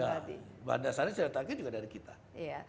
ya pada saatnya shiratake juga dari kita